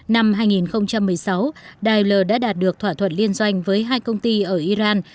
năm hai nghìn một mươi sáu dailer đã đạt được thỏa thuận liên doanh với hai công ty ở iran